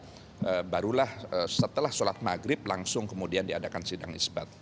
dan setelah itu barulah setelah sholat maghrib langsung kemudian diadakan sidang isbat